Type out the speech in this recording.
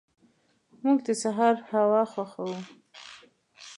موږ د سهار هوا خوښو.